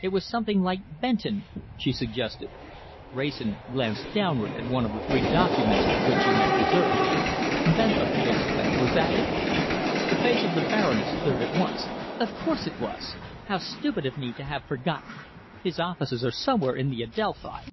"It was something like Benton," she suggested. Wrayson glanced downward at one of the three documents which he had preserved. "Bentham!" he exclaimed. "Was that it?" The face of the Baroness cleared at once. "Of course it was! How stupid of me to have forgotten. His offices are somewhere in the Adelphi."